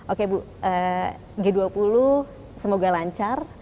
oke bu g dua puluh semoga lancar